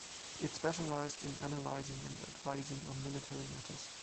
It specialized in analyzing and advising on military matters.